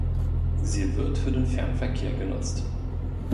Sie wird für den Fernverkehr genutzt.